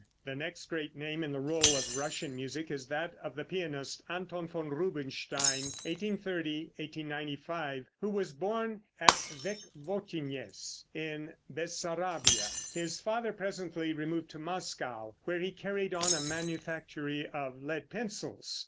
] The next great name in the roll of Russian music is that of the pianist, Anton von Rubinstein (1830 1895), who was born at Wechwotynez, in Bessarabia. His father presently removed to Moscow, where he carried on a manufactory of lead pencils.